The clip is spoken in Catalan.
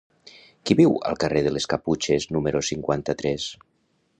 Qui viu al carrer de les Caputxes número cinquanta-tres?